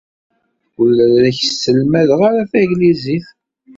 Ur la ak-sselmadeɣ ara tanglizit.